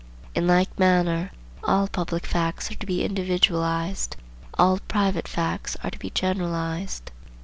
In like manner all public facts are to be individualized, all private facts are to be generalized.